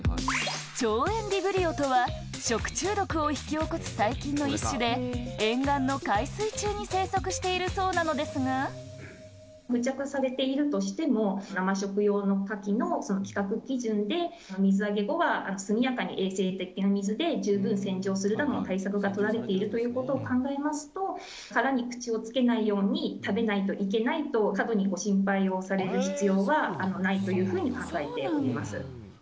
腸炎ビブリオとは、食中毒を引き起こす細菌の一種で、沿岸の海水中に生息しているそうなので付着されているとしても、生食用のカキのその規格基準で、水揚げ後は速やかに衛生的な水で十分洗浄するなどの対策が取られているということを考えますと、殻に口をつけないように食べないといけないと過度に心配をされる必要はないというふうに考えております。